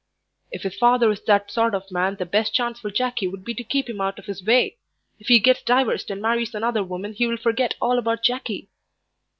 "If his father is that sort of man, the best chance for Jackie would be to keep him out of his way. If he gets divorced and marries another woman he will forget all about Jackie."